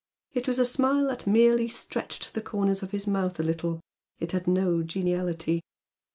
It was a smile that merely stretched the corners of his mouth a little, it had no geniality.